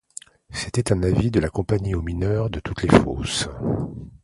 C'était un avis de la Compagnie aux mineurs de toutes les fosses.